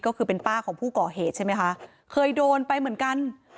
ก็คือเป็นป้าของผู้ก่อเหตุใช่ไหมคะเคยโดนไปเหมือนกัน